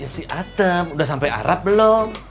si atem udah sampe arab belom